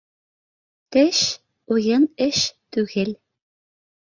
Теш — уйын эш түгел.